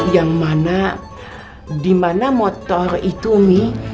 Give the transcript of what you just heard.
yang mana dimana motor itu umi